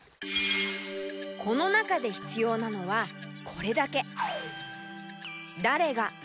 この中でひつようなのはこれだけ。